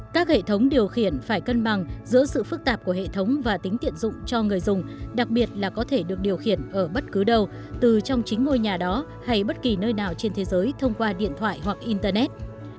các hệ thống điều khiển phải cân bằng giữa sự phức tạp của hệ thống và tính tiện dụng cho người dùng đặc biệt là có thể được điều khiển ở bất cứ đâu từ trong chính ngôi nhà đó hay bất kỳ nơi nào trên thế giới thông qua điện thoại hoặc internet